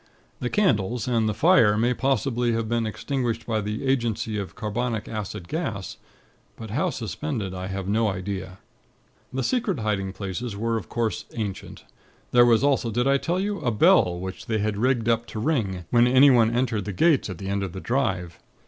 The candles and the fire may possibly have been extinguished by the agency of carbonic acid gas; but how suspended, I have no idea. "The secret hiding paces were, of course, ancient. There was also, did I tell you? a bell which they had rigged up to ring, when anyone entered the gates at the end of the drive.